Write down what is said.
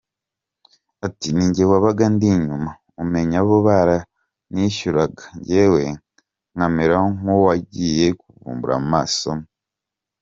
Ati “ Ninjye wabaga ndi inyuma, umenya bo baranishyuraga, njyewe nkamera nk’uwagiye kuvumba amasomo.